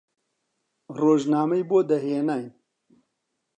ڕۆژنامەی بۆ دەهێناین